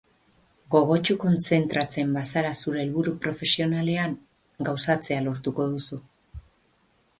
Gogotsu kontzentratzen bazara zure helburu profesionalean, gauzatzea lortuko duzu.